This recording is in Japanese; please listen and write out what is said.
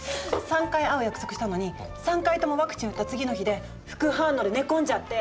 ３回会う約束したのに３回ともワクチン打った次の日で副反応で寝込んじゃって。